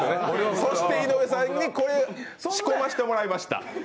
そして井上さんに、これ、仕込ましてもらいました。